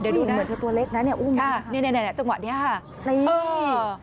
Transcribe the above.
เดี๋ยวดูนะนี่จังหวะนี้ค่ะอื้อ